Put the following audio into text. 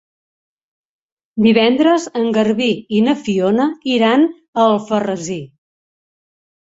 Divendres en Garbí i na Fiona iran a Alfarrasí.